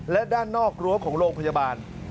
และด้านนอกรั้วของโรงพยาบาล